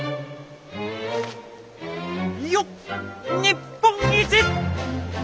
いよっ日本一！